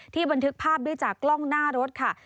บันทึกภาพด้วยจากกล้องหน้ารถค่ะ